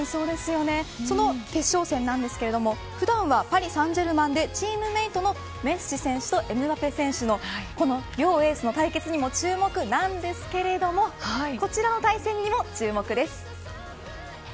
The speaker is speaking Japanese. その決勝戦なんですけど、普段はパリ・サンジェルマンでチームメートのメッシ選手とエムバペ選手のこの両エースの対決にも注目なんですけどこちらの対戦にも注目です。